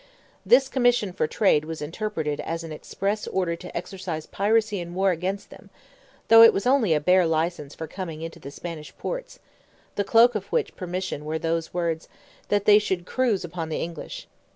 This commission for trade was interpreted as an express order to exercise piracy and war against them, though it was only a bare licence for coming into the Spanish ports; the cloak of which permission were those words, "that they should cruise upon the English."